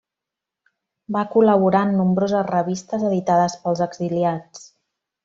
Va col·laborar en nombroses revistes editades pels exiliats.